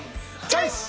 チョイス！